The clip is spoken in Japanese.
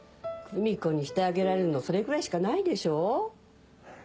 空見子にしてあげられるのそれぐらいしかないでしょう？